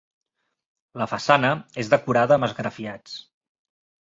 La façana és decorada amb esgrafiats.